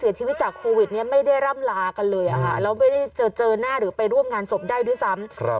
เสียชีวิตจากโควิดเนี่ยไม่ได้ร่ำลากันเลยแล้วไม่ได้เจอหน้าหรือไปร่วมงานศพได้ด้วยซ้ำ